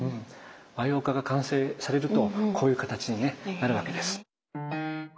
和様化が完成されるとこういう形にねなるわけです。